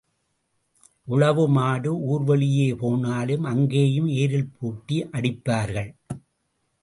உழவு மாடு ஊர் வெளியே போனாலும் அங்கேயும் ஏரில் பூட்டி அடிப்பார்கள்.